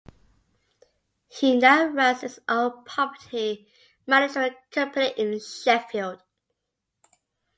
He now runs his own property management company in Sheffield.